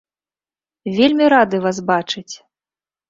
Вельмі рады вас бачыць!